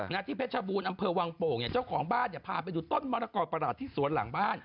ที่เพชรบูรณอำเภอวังโป่งเนี่ยเจ้าของบ้านเนี่ยพาไปดูต้นมะละกอประหลาดที่สวนหลังบ้าน